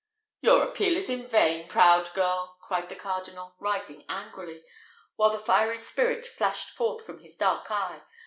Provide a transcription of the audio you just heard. "Your appeal is in vain, proud girl!" cried the cardinal, rising angrily, while the fiery spirit flashed forth from his dark eye.